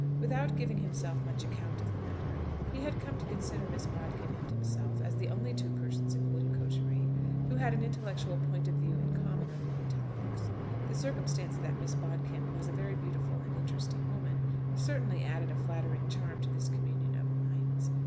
Without giving himself much account of the matter, he had come to consider Miss Bodkin and himself as the only two persons in the little coterie who had an intellectual point of view in common on many topics. The circumstance that Miss Bodkin was a very beautiful and interesting woman, certainly added a flattering charm to this communion of minds.